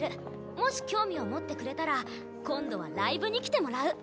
もし興味を持ってくれたら今度はライブに来てもらう。